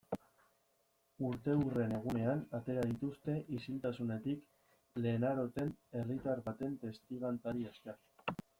Urteurren egunean atera dituzte isiltasunetik Lenarotzen, herritar baten testigantzari esker.